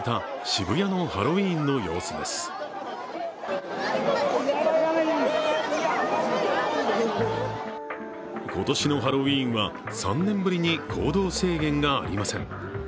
今年のハロウィーンは３年ぶりに行動制限がありません。